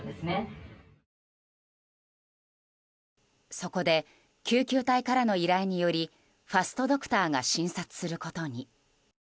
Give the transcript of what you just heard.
そこで救急隊からの依頼によりファストドクターが診察することに。